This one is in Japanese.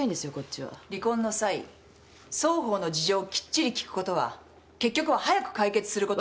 離婚の際双方の事情をきっちり聞くことは結局は早く解決することに。